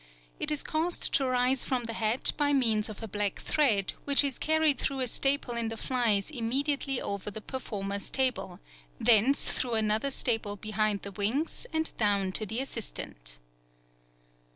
It is caused to rise from the hat by means of a black thread, which is carried through a staple in the flies immediately over the performer's table, thence through another staple behind the wings, and down to the assistant.